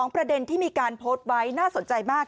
ประเด็นที่มีการโพสต์ไว้น่าสนใจมาก